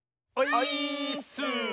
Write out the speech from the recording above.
オイーッス！